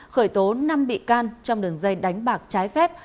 khởi tố năm bị can trong đường dây đánh bạc trái phép